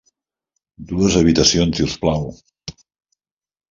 Dues habitacions, si us plau.